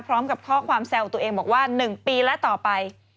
พร้อมกับข้อความแซวตัวเองบอกว่า๑ปีแล้วต่อไป